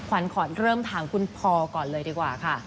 ขวัญขอเริ่มถามคุณพอก่อนเลยดีกว่าค่ะ